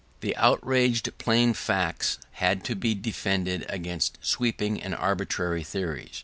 The outraged plain facts had to be defended against sweeping and arbitrary theories.